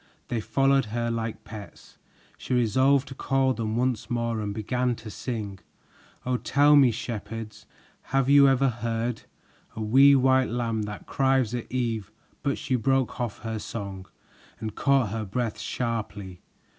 They followed her like pets. She resolved to call them once more and began to sing: "Oh, tell me, shepherds, have you ever heard, A wee white lamb that cries at eve " but she broke off her song and caught her breath sharply.